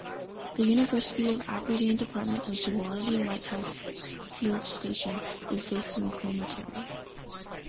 The University of Aberdeen Department of Zoology Lighthouse Field Station is based in Cromarty.